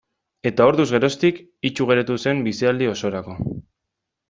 Eta orduz geroztik itsu geratu zen bizialdi osorako.